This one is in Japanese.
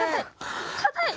かたい！